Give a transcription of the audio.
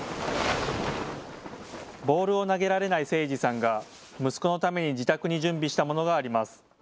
ボールを投げられない清司さんが息子のために自宅に準備したものがあります。